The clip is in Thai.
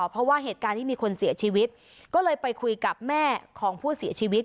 เพราะว่าเหตุการณ์ที่มีคนเสียชีวิตก็เลยไปคุยกับแม่ของผู้เสียชีวิต